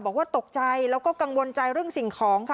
บอกว่าตกใจแล้วก็กังวลใจเรื่องสิ่งของค่ะ